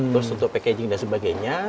terus untuk packaging dan sebagainya